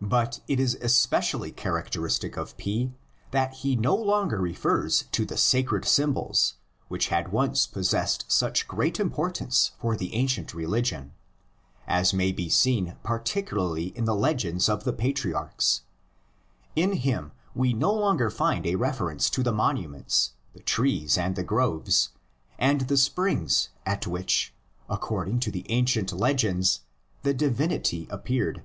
But it is especially characteristic of P that he no longer refers to the sacred symbols, which had once possessed such great importance for the ancient religion, as may be seen particularly in the legends of the patriarchs; in him we no longer find a refer ence to the monuments, the trees and groves, and the springs at which, according to the ancient legends, the divinity appeared.